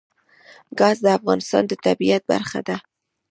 ګاز د افغانستان د طبیعت برخه ده.